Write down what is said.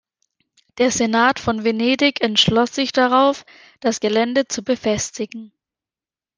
Der Senat von Venedig entschloss sich darauf, das Gelände zu befestigen.